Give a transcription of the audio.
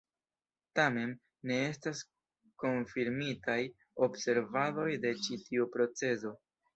Tamen, ne estas konfirmitaj observadoj de ĉi tiu procezo.